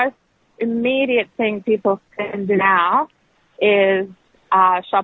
yang paling menarik yang bisa dilakukan sekarang adalah menjualnya